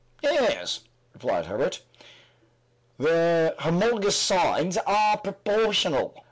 "Yes," replied Herbert; "their homologous sides are proportional."